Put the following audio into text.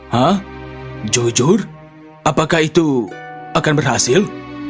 hah jujur apakah itu akan berhasil